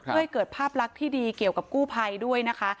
เพื่อให้เกิดภาพลักษณ์ที่ดีเกี่ยวกับกู้ภัยด้วยนะคะ